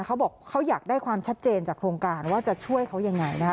เขาบอกเขาอยากได้ความชัดเจนจากโครงการว่าจะช่วยเขายังไงนะคะ